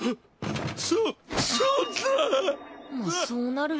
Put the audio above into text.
そそんな。